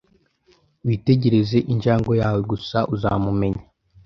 Witegereze injangwe yawe gusa uzamumenya.